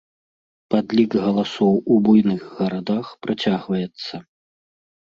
Падлік галасоў у буйных гарадах працягваецца.